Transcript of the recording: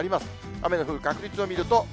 雨の降る確率を見ると。